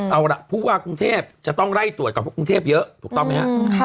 เอาล่ะพูดว่ากรุงเทพจะต้องไล่ตรวจกับพวกกรุงเทพเยอะถูกต้องไหมฮะ